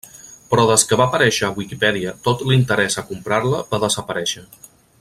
Però des que va aparèixer a Wikipedia tot l'interès a comprar-la va desaparèixer.